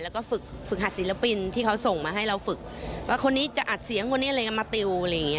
ให้ฝึกฮัตศิลปินที่เขาส่งมาให้เราฝึกว่าคนนี้เนียะคนเนี่ยมาติว